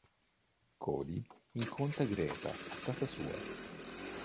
Cody incontra Greta a casa sua.